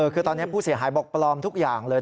คือตอนนี้ผู้เสียหายบอกปลอมทุกอย่างเลย